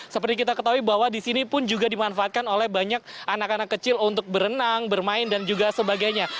seperti kita ketahui bahwa di sini pun juga dimanfaatkan oleh banyak anak anak kecil untuk berenang bermain dan juga sebagainya